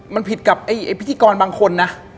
มันผิดกับไอ้พิธีกรบางคนนะ